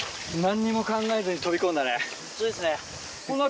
そうですね。